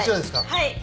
はい。